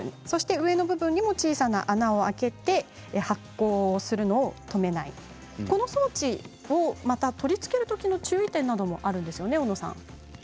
上の部分にも小さな穴を開けて発酵するのを止めないこの装置を取り付けるときの注意点などもあるんですよね。